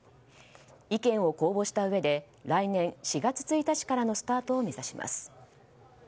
意見を公募したうえで来年４月１日からのスタートを目指します。